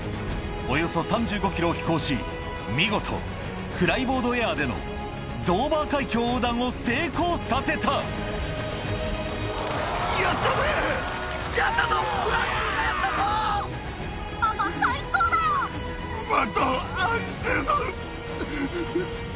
およそ３５ｋｍを飛行し見事フライボードエアでのドーバー海峡横断を成功させたどこまでもやる気のある人ですよね。